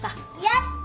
やった。